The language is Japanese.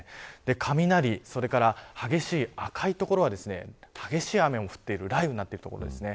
雷、それから激しい赤い所は激しい雨も降っている雷雨になっている所です。